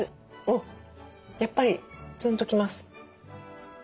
おっやっぱりツンと来ます。